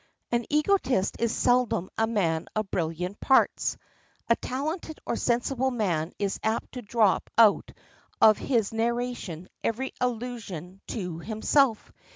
An egotist is seldom a man of brilliant parts. A talented or sensible man is apt to drop out of his narration every allusion to himself.